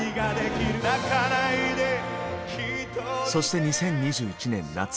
そして２０２１年夏。